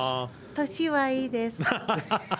歳は、いいです。